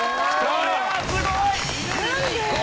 これはすごい！